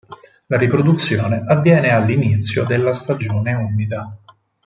La riproduzione avviene all'inizio della stagione umida.